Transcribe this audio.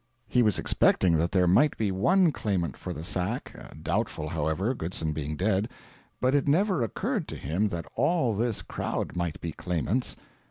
He was expecting that there might be one claimant for the sack doubtful, however, Goodson being dead but it never occurred to him that all this crowd might be claimants.